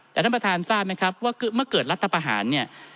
แต่ท่านประธานทราบไหมครับว่าเมื่อเกิดรัฐประหารเนี่ย